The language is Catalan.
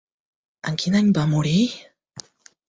En quin any va morir?